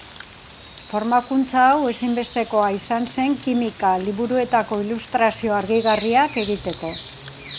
Formakuntza hau ezinbestekoa izan zen kimika liburuetako ilustrazio argigarriak egiteko.